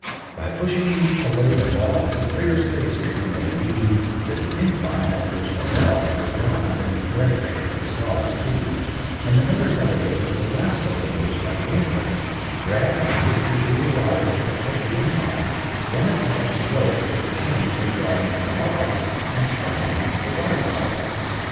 By pushing away the logs a clear space could be made leading to the incline up which the logs were drawn to meet their fate at the saw's teeth, and the miller's idea was to lasso the moose by the antlers, drag the creature through the water to the foot of the incline, then attach the rope to the chain for drawing up the logs, and turn on the water power.